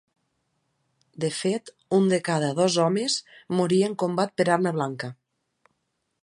De fet, un de cada dos homes moria en combat per arma blanca.